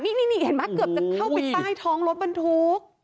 นี่เกือบจะเข้าไปใต้ท้องรถบรรทุก